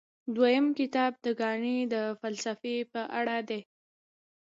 دویم کتاب د ګاندي د فلسفې په اړه دی.